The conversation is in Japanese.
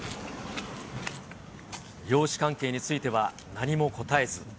養子関係については、何も答えず。